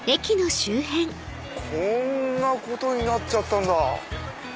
こんなことになっちゃったんだ！